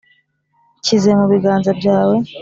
nshyize mu biganza byawe